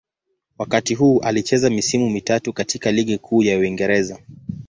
Wakati huu alicheza misimu mitatu katika Ligi Kuu ya Uingereza.